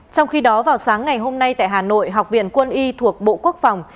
trong khi đó vào sáng ngày hôm nay tại hà nội học viện quân y thuộc bộ quốc phòng